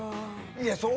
いやそう。